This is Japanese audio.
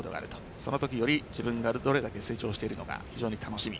その時より自分がどれだけ成長しているのか非常に楽しみ。